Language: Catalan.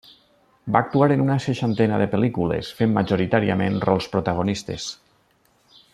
Va actuar en una seixantena de pel·lícules, fent majoritàriament rols protagonistes.